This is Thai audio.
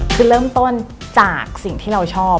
คือเริ่มต้นจากสิ่งที่เราชอบ